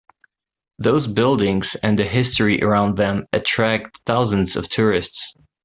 Those buildings and the history around them attract thousands of tourists.